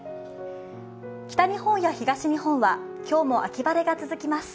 北日本や東日本は今日も秋晴れが続きます。